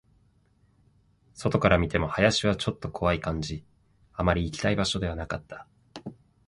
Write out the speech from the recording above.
外から見ても、林はちょっと怖い感じ、あまり行きたい場所ではなかった